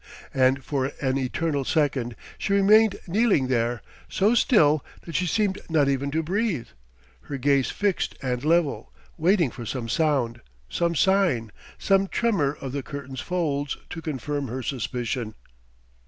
And for an eternal second she remained kneeling there, so still that she seemed not even to breathe, her gaze fixed and level, waiting for some sound, some sign, some tremor of the curtain's folds, to confirm her suspicion.